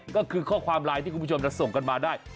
ก็คือข้อความไลน์ที่คุณผู้ชมจะส่งกันมาได้